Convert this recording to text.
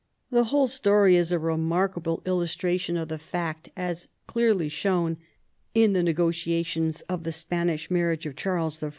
The whole story is a remarkable illustration of the fact, so clearly shown in the negotiations for the Spanish marriage of Charles I.